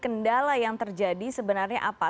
kendala yang terjadi sebenarnya apa